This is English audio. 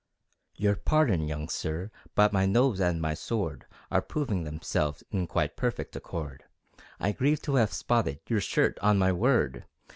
Your pardon, young Sir, But my nose and my sword Are proving themselves In quite perfect accord. I grieve to have spotted Your shirt. On my word!